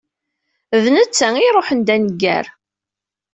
D netta i iruḥen d aneggar.